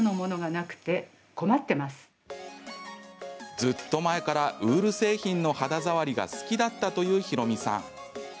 ずっと前から、ウール製品の肌触りが好きだったというひろみさん。